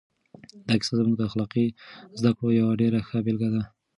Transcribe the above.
دا کیسه زموږ د اخلاقي زده کړو یوه ډېره ښه بېلګه ده.